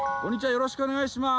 よろしくお願いします！